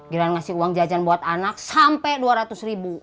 giran ngasih uang jajan buat anak sampai dua ratus ribu